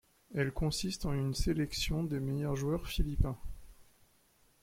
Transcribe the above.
Elle consiste en une sélection des meilleurs joueurs philippins.